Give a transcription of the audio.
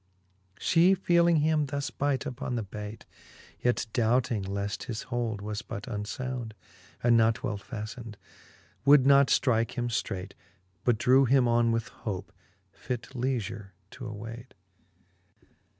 She feeling him thus bite upon the bayt, Yet doubting leaft his hold was but unlbund, And not well faftened, would not ftrike him ftrayt, But drew him on with hope, fit leafure to awayt.